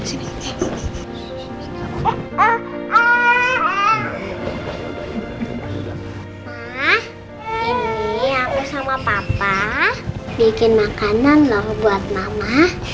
ini aku sama papa bikin makanan loh buat mama